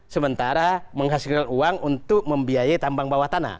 sementara menghasilkan uang untuk membiayai tambang bawah tanah